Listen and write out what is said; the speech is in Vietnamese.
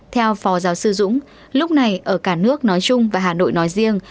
theo phó giáo sư dũng lúc này ở cả nước nói chung và hà nội nói riêng